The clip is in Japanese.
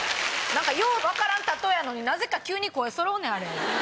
よう分からん例えやのになぜか急に声そろうねん。